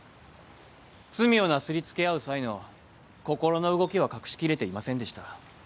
罪をなすり付け合う際の心の動きは隠しきれていませんでした。